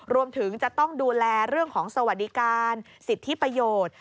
รวมถึงจะต้องดูแลเรื่องของสวัสดิการสิทธิประโยชน์